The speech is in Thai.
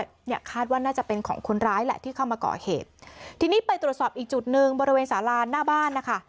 เนี่ยคาดว่าน่าจะเป็นของคนร้ายแหละที่เข้ามาก่อเหตุทีนี้ไปตรวจสอบอีกจุดหนึ่งบริเวณสาลานหน้าบ้านนะคะ